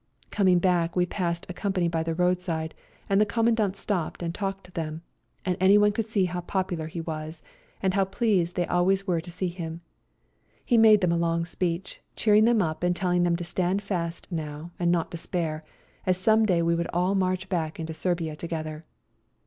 Coming back we passed a company by the roadside, and the Com mandant stopped and talked to them, and anyone could see how popular he 112 GOOD BYE TO SERBIA was, and how pleased they always were to see him. He made them a long speech, cheering them up and teUing them to stand fast now and not despair, as some day we would all march back into Serbia together.